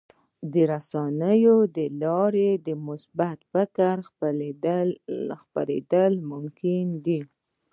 د رسنیو له لارې د مثبت فکر خپرېدل ممکن دي.